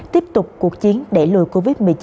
tiếp tục cuộc chiến để lùi covid một mươi chín